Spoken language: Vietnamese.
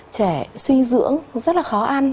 trẻ suy dưỡng rất là khó ăn